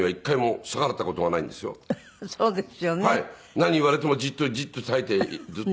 何言われてもじっとじっと耐えてずっと。